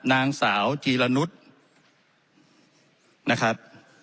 นางสาวจีรนุษย์นะครับ